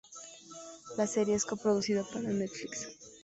La serie es co-producida para Netflix.